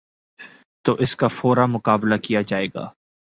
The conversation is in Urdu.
تو اس کا فورا مقابلہ کیا جائے گا۔